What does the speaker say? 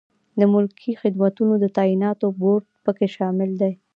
د ملکي خدمتونو د تعیناتو بورد پکې شامل دی.